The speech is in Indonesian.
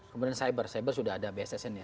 kemudian cyber cyber sudah ada bssn nya